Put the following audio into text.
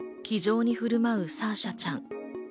気丈に振る舞うサーシャちゃん。